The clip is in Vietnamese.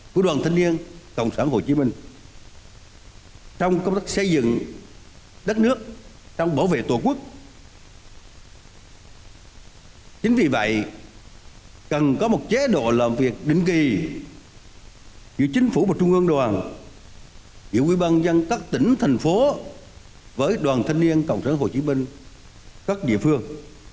chính phủ và trung mương đoàn dự quy băng dân các tỉnh thành phố với đoàn thanh niên cộng sản hồ chí minh các địa phương